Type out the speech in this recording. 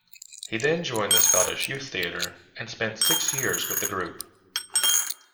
He then joined the Scottish Youth Theatre and spent six years with the group.